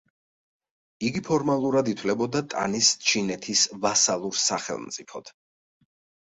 იგი ფორმალურად ითვლებოდა ტანის ჩინეთის ვასალურ სახელმწიფოდ.